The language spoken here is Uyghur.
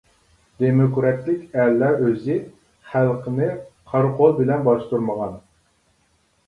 دېموكراتىك ئەللەر ئۆزى خەلقىنى قارا قول بىلەن باستۇرمىغان.